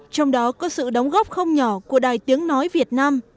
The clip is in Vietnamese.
trong đó có sự đóng góp không nhỏ của đài tiếng nói việt nam